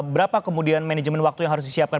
berapa kemudian manajemen waktu yang harus disiapkan